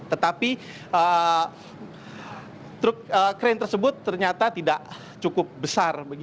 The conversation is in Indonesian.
tetapi truk krain tersebut ternyata tidak cukup besar